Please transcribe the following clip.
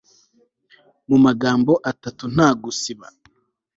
Mu magambo atatu nta gusiba